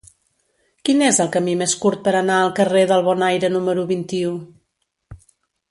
Quin és el camí més curt per anar al carrer del Bonaire número vint-i-u?